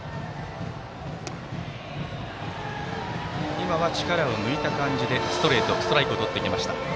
今は力を抜いた感じでストレートでストライクをとりました。